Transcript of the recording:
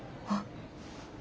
あっ！